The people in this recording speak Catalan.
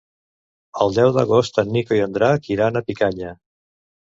El deu d'agost en Nico i en Drac iran a Picanya.